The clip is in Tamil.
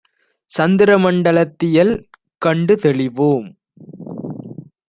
சந்திரமண் டலத்தியல் கண்டுதெளி வோம்